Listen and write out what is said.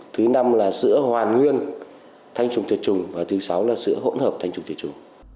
thứ năm là sữa hoàn nguyên thanh trùng tiệt trùng và thứ sáu là sữa hỗn hợp thanh trùng tiệt trùng